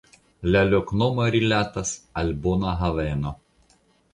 La loknomo rilatas al "bona haveno".